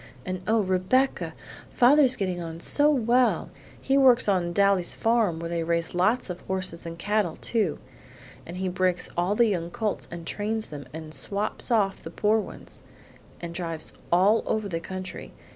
And, oh! Rebecca, father's getting on so well! He works on Daly's farm where they raise lots of horses and cattle, too, and he breaks all the young colts and trains them, and swaps off the poor ones, and drives all over the country.